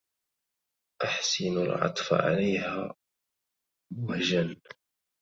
أحسنوا العطف عليها مهجا